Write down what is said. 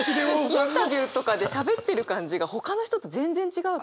インタビューとかでしゃべってる感じがほかの人と全然違うと。